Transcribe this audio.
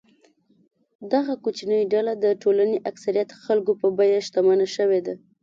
دغه کوچنۍ ډله د ټولنې اکثریت خلکو په بیه شتمنه شوې ده.